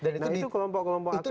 nah itu kelompok kelompok akun itu